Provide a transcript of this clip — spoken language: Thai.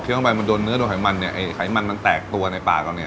พอเคี้ยวข้างใบมันโดนเนื้อโดนไขมันเนี่ยไขมันมันแตกตัวในปากตอนนี้